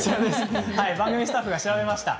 番組スタッフが調べました。